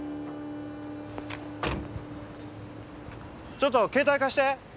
ちょっと携帯貸して！